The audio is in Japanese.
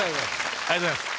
ありがとうございます。